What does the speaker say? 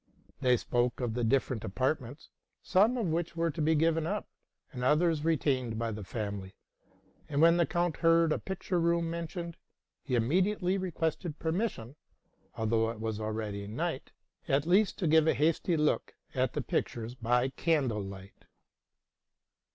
They spoke of the different apartments, some of which were to be given up, and others retained by the family ; and, when the count heard a picture room mentioned, he immediately requested permission, although it was already night, at least to give a hasty look at the pictures by candlelight.